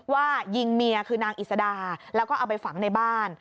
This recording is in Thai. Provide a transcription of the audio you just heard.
ยิงเมียคือนางอิสดาแล้วก็เอาไปฝังในบ้าน